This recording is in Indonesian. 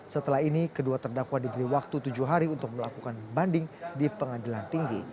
setelah ini kedua terdakwa diberi waktu tujuh hari untuk melakukan banding di pengadilan tinggi